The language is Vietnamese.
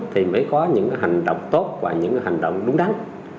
thì mới có những cái hành động tốt và những cái hành động đúng đắn